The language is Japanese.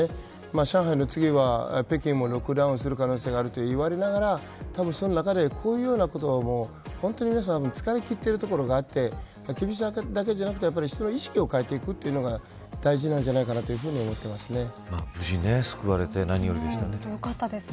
上海の次は北京もロックダウンする可能性があると言われながらその中で、こういうようなことは本当に皆さん疲れきっているところがあって厳しさだけでなくて、意識を変えていくというのが無事、救われてなによりでした。